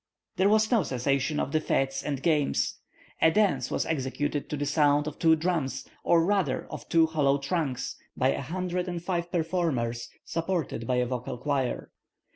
There was no cessation of the fêtes and games. A dance was executed to the sound of two drums, or rather of two hollow trunks, by a hundred and five performers, supported by a vocal choir.